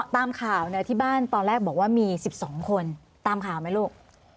ตามข่าวที่บ้านตอนแรกบอกว่ามี๑๒คนตามข่าวไหมลูก